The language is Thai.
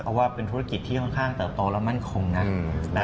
เพราะว่าเป็นธุรกิจที่ค่อนข้างเติบโตและมั่นคงนะ